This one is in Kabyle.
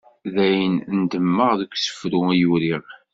Dayen, ndemmeɣ deg usefru i uriɣ.